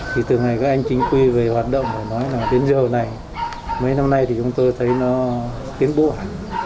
thì từ ngày các anh chính quy về hoạt động nói là đến giờ này mấy năm nay thì chúng tôi thấy nó tiến bố hẳn